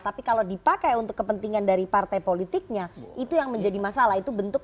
tapi kalau dipakai untuk kepentingan dari partai politiknya itu yang menjadi masalah itu bentuk